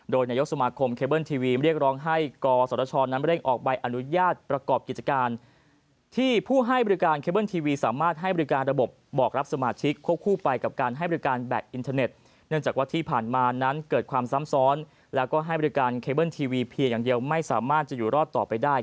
โดยนายกสมาคมเคเบิ้ลทีวีเรียกร้องให้กศชนั้นเร่งออกใบอนุญาตประกอบกิจการที่ผู้ให้บริการเคเบิ้ลทีวีสามารถให้บริการระบบบอกรับสมาชิกควบคู่ไปกับการให้บริการแบบอินเทอร์เน็ตเนื่องจากว่าที่ผ่านมานั้นเกิดความซ้ำซ้อนแล้วก็ให้บริการเคเบิ้ลทีวีเพียงอย่างเดียวไม่สามารถจะอยู่รอดต่อไปได้